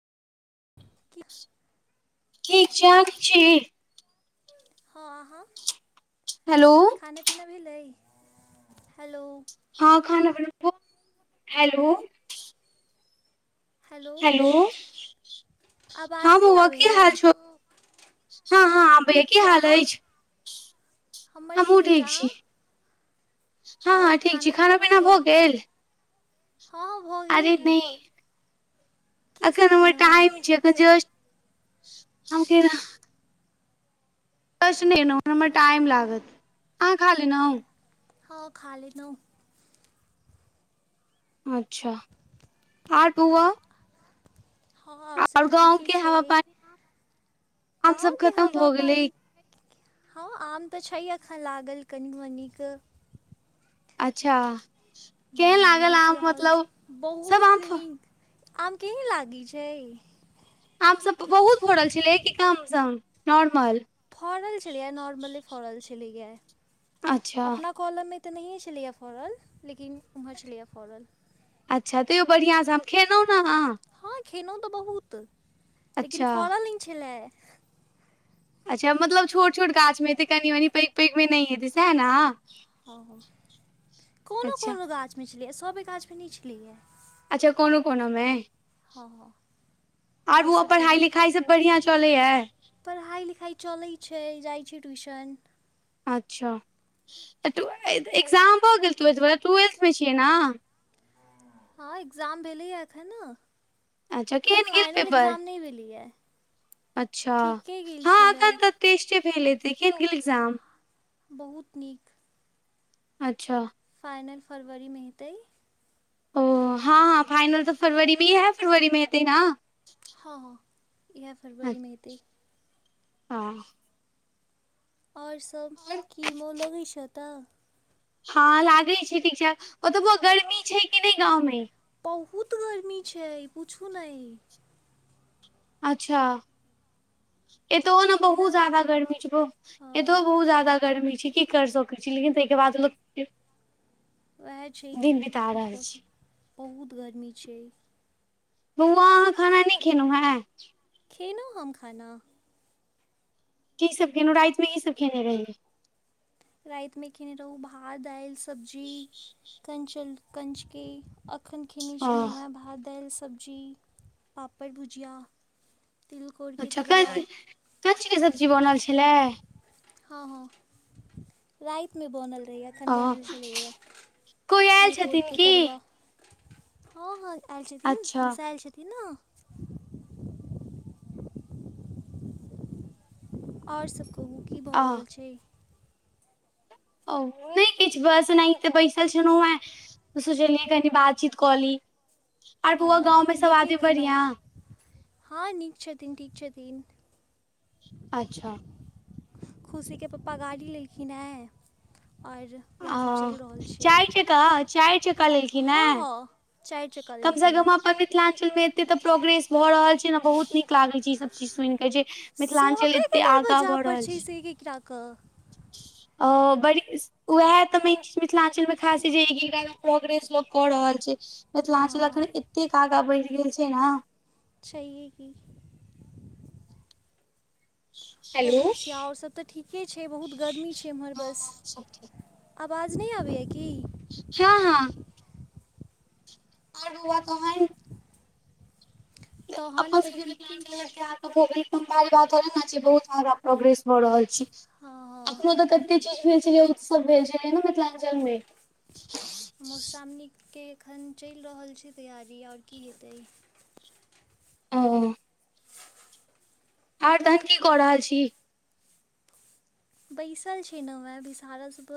की ठिक छै आहा ठिक छी हँ अहाँ हेलो खाना पीना भेलै हैलो हँ [unintelligible] भ हेलो हेलो हलो आवाज हँ नहि बौआ की आबैए हाल छउ हँ हँ आबै ठीक की हाल आइछ हम्मर ठीक अइछ छी और खाना पीना भऽ गेल हँ भऽ अरे गैल नहि एखन हमर खेलहुँ टाइम हेँ छय एखन जस्ट [inaudible] कच नहि एलहुँ हमरा टाइम लागत अहाँ खा लेनहुँ [unintelligible] हँ खाली नय अच्छा आर तु आर हँ ओर सब तऽ गाँव ठीके के हवा छै पानी आम सब गाँव के खतम हवा भऽ गेलै पानी हँ आम तऽ छय अखन लागल कनि मनीक अच्छा केहन ही लागल बिक आम रहल मतलब छय सब बहुत आम नीक आम केहन लागैअ छै आब सब बहुत भरल छलय कि कम सम नॉर्मल फरल चलिए नॉारमली फरल चइल जाए अच्छा कोलममे तऽ नहियए छलैएा फड़ल लेकिन ओम्हर छलैए फड़ल अच्छा ते ओ बढियासँ खेलउ ना हा हँ खेलहुँ तऽ बहुत लेकिन अच्छा फड़ल नय छलए अच्छा मतलब छोट छोट गाछ में हेतै कनि मनी पैघ पैघमे नहि हेतै सएह ने हँ कोनो अच्छा कोनो गाछमे छलैए सभ गाछमे नहि छलैए अच्छा कोनो कोनो में हँ हँ आर आओर बौआ सभ पढ़ाई कहू लिखाई सब बढ़ियां चलै है पढ़ाइ लिखाइ चलै छै जाइत छै ट्यूशन अच्छा तऽ ए एक्जाम भऽ गेल ट्वेल्थ वला ट्वेल्थ में छियै ने हँ एग्जाम भेलैया एखन ने अच्छा अकर केहन गेल फाइनल पेपर एग्जाम नहि भेलैया अच्छा ठीके गेल हँ छलय एखन तऽ टेस्टे भेल हेतय केहन‌ गेल इग्जाम बहुत नीक अच्छा फाइनल फरवरी में हेतइ ओ हँ हँ फाइनल तऽ फरवरीमे ही इहै फरवरी में हेतै ने हँ हँ इहै फरवरी मे हेतै हँ आओर सभ की मोन लगैत छै एतऽ हँ लागैत छय ठीक ठाक ओतबो गर्मी छै कि नहि गांवमे बहुत गर्मी छै पूछू नइ अच्छा एतहो नऽ तेना बहुत ज्यादा गर्मी छै बहुत हँ एतहो बहुत ज्यादा गर्मी छै की कर सकैत छी लेकिन तहिके बाद लोक के उएह छय कि की रहल कऽ छै सकै बहुत गर्मी छै बौआ आहाँ खाना नहि खेलहुँ हैं खेलहुँ हम खाना की सभ खेलूं रातिमे कि सभ खेयने रहि राति में खेने रहू भात दालि सब्जी कंचन कंचके अखन खेने ओ छी न व‌एह भात दालि सब्जी पापड़ भुजिया तिलकोरके अच्छा का तरुआ चिज‌ कथि केँ सब्जी बनल छलै हँ हँ राति में बनल रहैया एखन ओ बनल छलै यऽ कोइ आयल तिलकोर छथिन केँ की तरुआ हँ हँ आयल छथिन अच्छा पीसा आयल छथिन नऽ आओर सब कहु अ जी औ नइ किछु बस ओनाहिते बैसल छी न व‌एह सोचलियै कनी बातचीत कली आर बुआ हँ गाँव में सब नीके आदमी केलहुँ बढ़ियां हँ नीक छथिन ठीक छथिन अच्छा खुशीके पप्पा गाड़ी लेलखिन हैं और ओ चाइर चक्का चारि चक्का लेलखिन हँ हैं हँ चारि चक्का कम सँ लेलखिन हेँ कम अपन मिथिलांचल मे एते प्रोग्रेस भ रहल छै ने बहुत नीक लागय छै ई सब चीज सुनि कऽ जे मिथिलांचल सबेके एते आगाँ दरवजा भऽ पड़ रहल छै से एक एक टा कय ओ बड़ी स ओएह तऽ मेन ची मिथिलांचल में खास छै जे एक आध गो प्रोग्रेस लोक कऽ रहल छय मिथिलांचल अखन हँ एतेक आगा बढ़ि गेल छै न चाए की हेलो बहुत छै आओर सब तऽ ठीके छै बहुत गर्मी छै एम्हर बस हँ सब ठीक आवाज नइ आबैए की हँ हँ अरुआ तहनि तहन अपन तऽ सबके जे ठीके छै बात थोड़े ने छय बहुत सारा प्रोग्रेस भऽ रहल छी हँ हँ अखनो तय कते चीज भेल छलै उत्सव भेल छलै ने मिथिलांचल मे मधु श्रावणी के एखन चेल रहल छै तैयारी आओर की हेतै ओ आओर तहन की कऽ रहल छी बैसल छी नऽ वैह विसारा सब पर